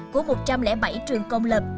của một trăm linh bảy trường công lập